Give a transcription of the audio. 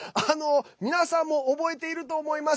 皆さんも覚えていると思います。